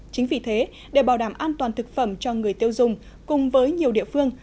chính vì thế để bảo đảm an toàn thực phẩm cho người tiêu dùng cùng với nhiều địa phương